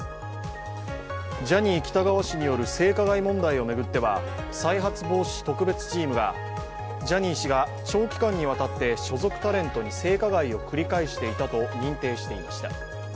ジャニー喜多川氏による性加害問題を巡っては、再発防止特別チームが、ジャニー氏が長期間にわたって所属タレントに性加害を繰り返していたと認定していました。